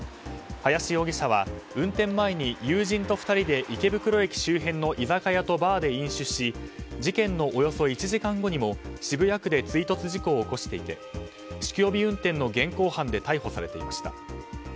林容疑者は運転前に友人と２人で池袋駅周辺の居酒屋とバーで飲酒し事件のおよそ１時間後にも渋谷区で追突事故を起こしていて酒気帯び運転の現行犯で逮捕されていました。